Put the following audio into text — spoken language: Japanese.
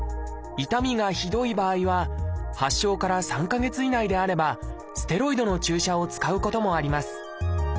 痛みがひどい場合は発症から３か月以内であればステロイドの注射を使うこともあります。